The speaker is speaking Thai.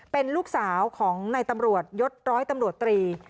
เป็นลูกสาวของนายตำรวจยศร้อยตำรวจตรี